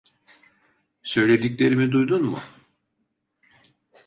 Söylediklerimi duydun mu?